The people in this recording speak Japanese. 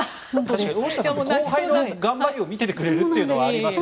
大下さんって後輩の頑張りを見ててくれるというのがありますよね。